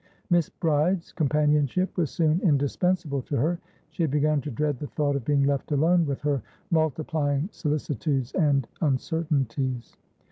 Miss Bride's companionship was soon indispensable to her; she had begun to dread the thought of being left alone with her multiplying solicitudes and uncertainties.